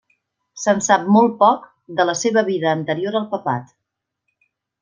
Se'n sap molt poc de la seva vida anterior al papat.